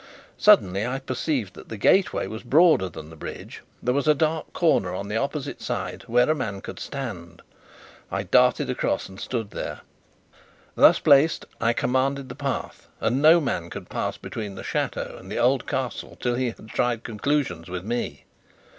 Suddenly I perceived that the gateway was broader than the bridge; there was a dark corner on the opposite side where a man could stand. I darted across and stood there. Thus placed, I commanded the path, and no man could pass between the chateau and the old Castle till he had tried conclusions with me.